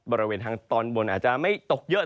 บริเวณทางตอนบนอาจจะไม่ตกเยอะ